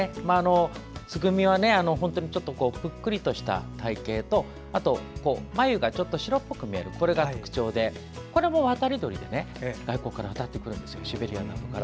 ツグミは本当にぷっくりとした体形と眉がちょっと白っぽく見えるのが特徴でこれも渡り鳥で外国から渡ってくるんですシベリアなどから。